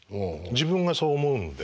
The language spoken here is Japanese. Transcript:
自分がそう思うので。